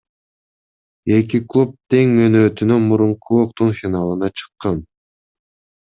Эки клуб тең мөөнөтүнөн мурун Кубоктун финалына чыккан.